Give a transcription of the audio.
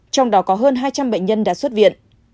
trong đó có hơn hai trăm linh bệnh nhân đã xuất viện